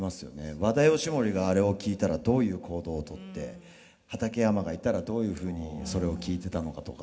和田義盛があれを聞いたらどういう行動をとって畠山がいたらどういうふうにそれを聞いてたのかとか。